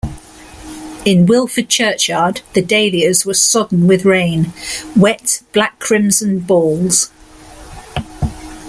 In Wilford churchyard the dahlias were sodden with rain — wet black-crimson balls.